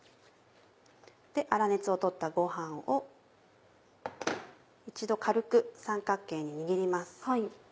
粗熱を取ったご飯を一度軽く三角形に握ります。